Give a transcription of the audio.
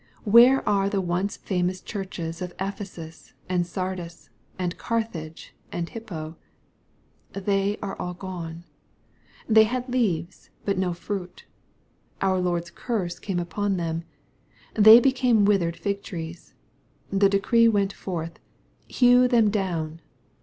Where are the once famous churches of Ephesus, and Sardis, and Carthage, and Hippo ? They are all gone. They had leaves, but no fruit. Qui Lord's curse came upon them. They became withered fig trees. The decree went forth, " Hew them down."